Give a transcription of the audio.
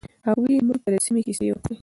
هغوی موږ ته د سیمې کیسې وکړې.